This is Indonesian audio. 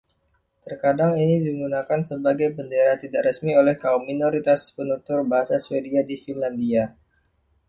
Terkadang ini digunakan sebagai bendera tidak resmi oleh kaum minoritas penutur bahasa Swedia di Finlandia.